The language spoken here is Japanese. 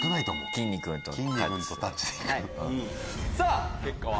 さぁ結果は？